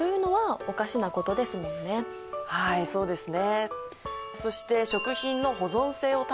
はいそうですね。